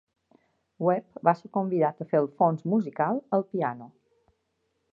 Webb va ser convidat a fer el fons musical al piano.